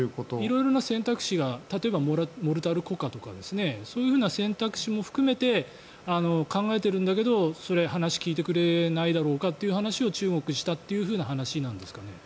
色々な選択肢が例えばモルタル固化とかそういうふうな選択肢も含めて考えているんだけどそれは話聞いてくれないだろうかっていう話を中国がしたという話なんですか。